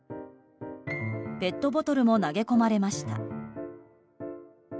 ペットボトルも投げ込まれました。